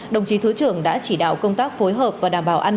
đồng chí thứ trưởng đã chỉ đạo công tác phối hợp và đảm bảo an ninh trật tự